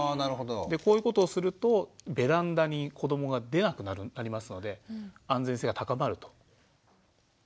こういうことをするとベランダに子どもが出なくなりますので安全性が高まると。